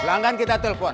pelanggan kita telpon